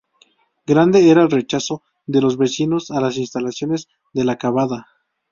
Grande era el rechazo de los vecinos a las instalaciones de La Cavada.